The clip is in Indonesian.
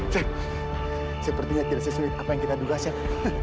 set sepertinya tidak sesulit apa yang kita duga set